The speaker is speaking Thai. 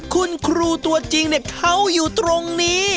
คุณครูตัวจริงเขาอยู่ตรงนี้